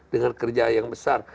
dengan kerja yang besar